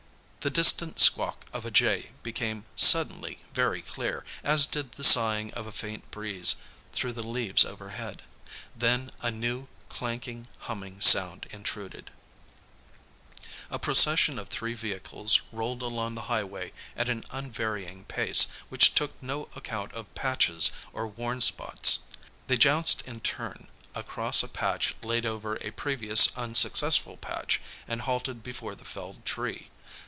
The distant squawk of a jay became suddenly very clear, as did the sighing of a faint breeze through the leaves overhead. Then a new, clanking, humming sound intruded. A procession of three vehicles rolled along the highway at an unvarying pace which took no account of patches or worn spots. They jounced in turn across a patch laid over a previous, unsuccessful patch, and halted before the felled tree.